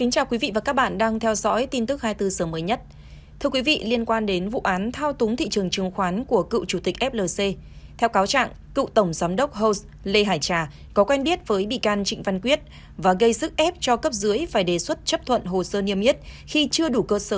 chào mừng quý vị đến với bộ phim hãy nhớ like share và đăng ký kênh của chúng mình nhé